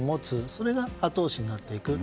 それが後押しになっていく。